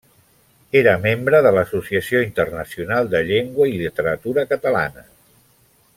Era membre de l'Associació Internacional de Llengua i Literatura Catalanes.